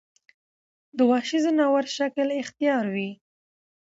د وحشي ځناور شکل اختيار وي